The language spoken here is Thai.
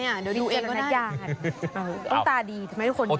เดี๋ยวดูเองก็ได้ค่ะต้องตาดีทำไมทุกคนเยอะมากเลย